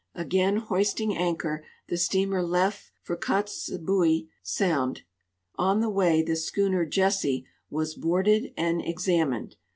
Again hoisting anchor the steamer left for Kotzebue sound. On the Avay the schooner Jessie Avas boarded and examined.